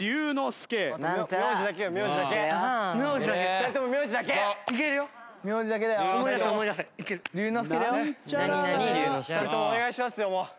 ２人ともお願いしますよ。